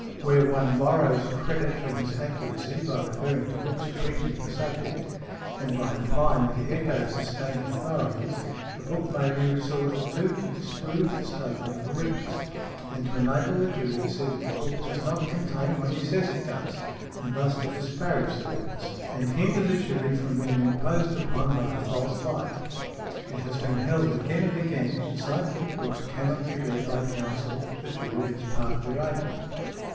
Where one borrows credit for his accuracy, by referring to books treating of the subject, and by implying that he echoes the standard authorities, the book may be resorted to, to disprove the statement of the witness, and to enable the jury to see that the book does not contain what he says it does, and thus to disparage the witness, and hinder the jury from being imposed upon by a false light . It has been held again and again that scientific books cannot be read by counsel to the jury as a part of their argument.